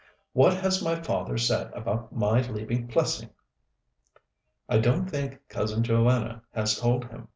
What has my father said about my leaving Plessing?" "I don't think Cousin Joanna has told him.